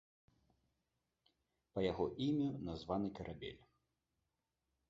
Па яго імю названы карабель.